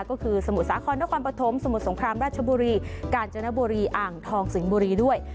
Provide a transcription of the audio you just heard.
ก็คือสมุทรสาครนครปฐมสมุทรสงครามราชบุรีกาญจนบุรีอ่างทองสิงห์บุรีด้วย